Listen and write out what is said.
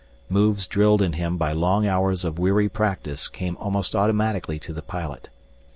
Moves drilled in him by long hours of weary practice came almost automatically to the pilot.